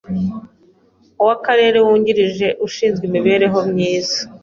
w’Akarere wungirije ushinzwe imibereho myiza;